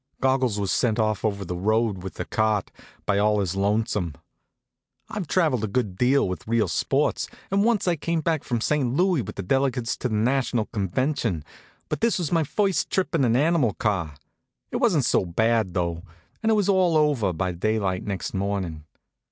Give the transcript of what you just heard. Goggles was sent off over the road with the cart, all by his lonesome. I've traveled a good deal with real sports, and once I came back from St. Louis with the delegates to a national convention, but this was my first trip in an animal car. It wasn't so bad, though, and it was all over by daylight next morning.